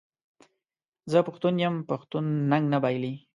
زه پښتون یم پښتون ننګ نه بایلي.